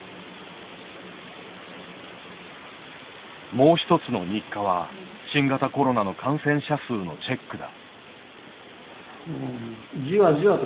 もう一つの日課は新型コロナの感染者数のチェックだ。